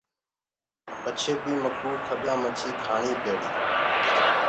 پچهي بي مڪوُ کڳآ مڇيٚ کآڻيٚ پيڙيٚ۔